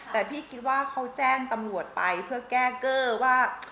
แต่พี่คิดว่าเขาแจ้งตำรวจไปเพื่อแก้เกอร์ว่า